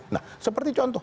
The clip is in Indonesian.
nah seperti contoh